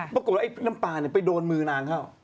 ปรากฏว่าไอ้น้ำปลาไปโดนมือนางเข้า